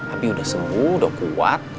api udah sembuh udah kuat